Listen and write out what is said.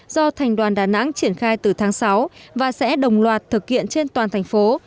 do thành đoàn đà nẵng triển khai từ tháng sáu và sẽ đồng loạt thực hiện trên toàn thành phố